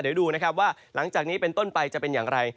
เดี๋ยวดูนะครับว่าหลังจากนี้เป็นต้นไปจะเป็นอย่างไร